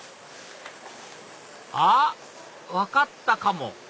あっ分かったかも！